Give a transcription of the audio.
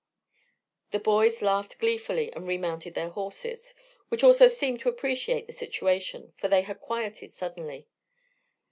The boys laughed gleefully and remounted their horses, which also seemed to appreciate the situation, for they had quieted suddenly.